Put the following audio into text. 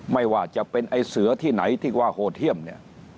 ไม่ว่าจะเป็นไอ้เสือที่ไหนที่ว่าโหดเยี่ยมเนี่ย